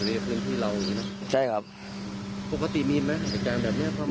เป็นเรื่องที่เราอยู่นะใช่ครับปกติมีมันแบบนี้ครับ